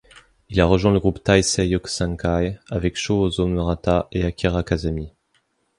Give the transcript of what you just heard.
Il a rejoint le Groupe Taisei Yokusankai, avec Shōzō Murata et Akira Kazami.